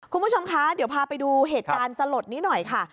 คุณผู้ชมคะเดี๋ยวพาไปดูเหตุการณ์สลดนี้หน่อยค่ะ